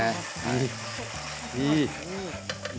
いい。